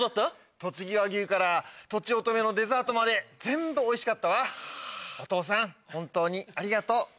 栃木和牛からとちおとめのデザートまで全部おいしかったわお父さん本当にありがとう。